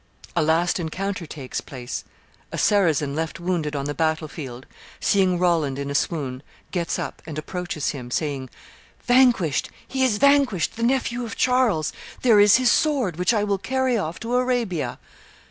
'" (A last encounter takes place: a Saracen left wounded on the battle field, seeing Roland in a swoon, gets up, and approaches him, saying, "Vanquished, he is vanquished, the nephew of Charles! There is his sword, which I will carry off to Arabia!")